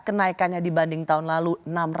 kenaikannya dibanding tahun lalu enam ratus